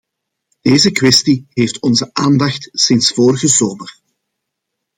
Deze kwestie heeft onze aandacht sinds vorige zomer.